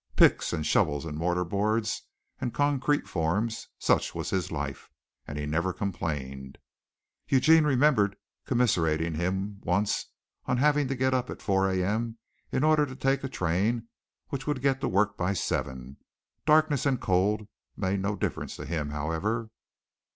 Picks and shovels and mortar boards and concrete forms such was his life, and he never complained. Eugene remembered commiserating him once on having to get up at four A. M. in order to take a train which would get to work by seven. Darkness and cold made no difference to him, however.